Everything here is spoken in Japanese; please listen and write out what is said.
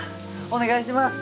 お願いします！